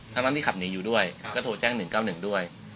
ทั้งที่ขับหนีอยู่ด้วยก็โทรแจ้ง๑๙๑ด้วย